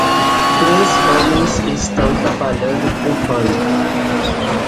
Três homens estão trabalhando com pano.